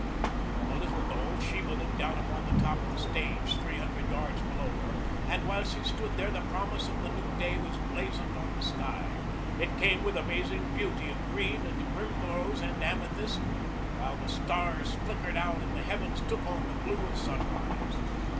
From a little knoll Sheba looked down upon the top of the stage three hundred yards below her, and while she stood there the promise of the new day was blazoned on the sky. It came with amazing beauty of green and primrose and amethyst, while the stars flickered out and the heavens took on the blue of sunrise.